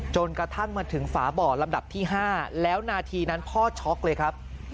จนกระทั่งมาถึงฝาบ่อลำดับที่๕แล้วนาทีนั้นพ่อช็อกเลยครับ